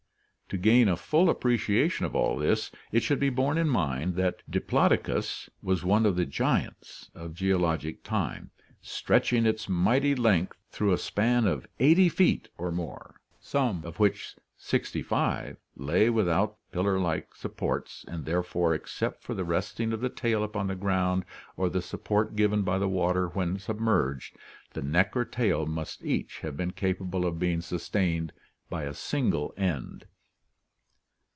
To gain a full appreciation of all this, it should be borne in mind that Diplodocus was one of the 186 ORGANIC EVOLUTION giants of geologic time, stretching its mighty length through a span of eighty feet or more, of which some sixty five lay without the pillar like supports, and therefore, except for the resting of the tail upon the ground or the support given by the water when sub merged, the neck or tail must each have been capable of being sus tained by a single end.